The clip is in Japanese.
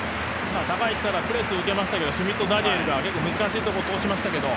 高い位置からクロスを受けましたけどシュミット・ダニエルが難しいところを通しましたけど。